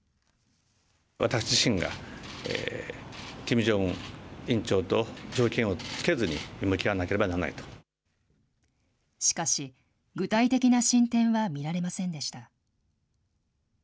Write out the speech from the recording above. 私自身がキム・ジョンウン委員長と条件をつけずに向き合わなしかし、具体的な進展は見られませんでした。